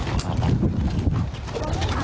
นายพงพัฒน์อายุ๒๒ปีหนุ่มคนสนิทของน้องดาวก็๒ข้อหาเหมือนกันค่ะ